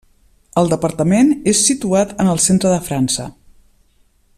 El departament és situat en el centre de França.